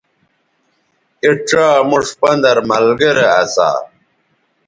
اے ڇا موش پندَر ملگرے اسا